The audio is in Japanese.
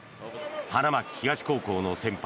花巻東高校の先輩